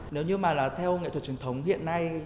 nếu như mà là theo nghệ thuật truyền thống hiện nay